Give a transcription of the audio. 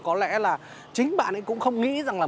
có lẽ là chính bạn ấy cũng không nghĩ rằng là